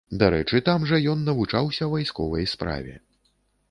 Дарэчы, там жа ён навучаўся вайсковай справе.